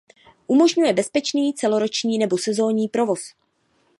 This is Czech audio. Umožňuje bezpečný celoroční nebo sezónní provoz.